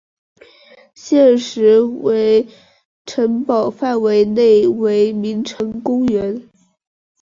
现时为城堡范围为名城公园。